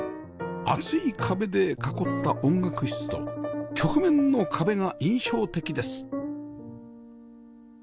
厚い壁で囲った音楽室と曲面の壁が印象的です